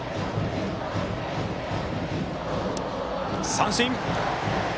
三振！